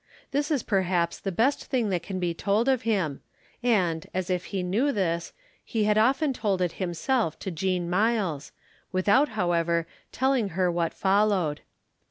This is perhaps the best thing that can be told of him, and, as if he knew this, he had often told it himself to Jean Myles, without however telling her what followed.